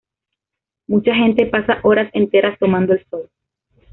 Mucha gente pasa horas enteras tomando el sol.